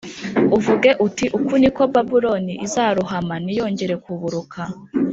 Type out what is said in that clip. uvuge uti uku ni ko Babuloni izarohama ntiyongere kuburuka